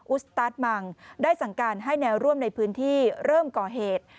สตาร์ทมังได้สั่งการให้แนวร่วมในพื้นที่เริ่มก่อเหตุ